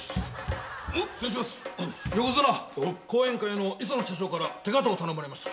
横綱後援会のイソノ社長から手形を頼まれました。